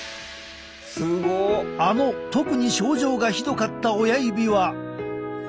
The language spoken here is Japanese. あの特に症状がひどかった親指は。